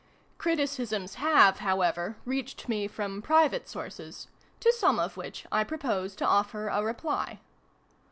Criticisms have, however, reached me from private sources, to some of which I propose to offer a reply.